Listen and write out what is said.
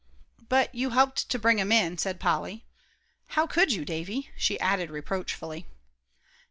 "But you helped to bring 'em in," said Polly. "How could you, Davie?" she added reproachfully.